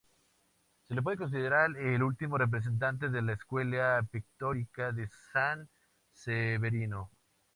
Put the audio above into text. Se le puede considerar el último representante de la escuela pictórica de San Severino.